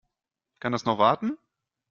Kann das noch warten?